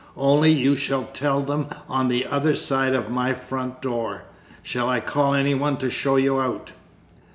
Only, you shall tell them on the other side of my front door. Shall I call anyone to show you out?"